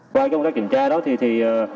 qua công tác kiểm tra đó thì